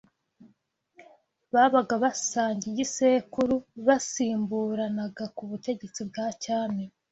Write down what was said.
babaga basangiye igisekuru basimburanaga ku butegetsi bwa cyami